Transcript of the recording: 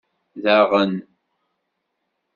Daɣen.